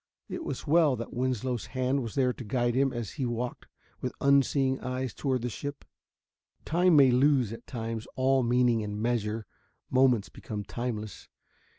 It was well that Winslow's hand was there to guide him as he walked with unseeing eyes toward the ship. Time may lose at times all meaning and measure moments become timeless.